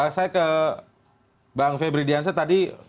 saya ke bang febri diansyah tadi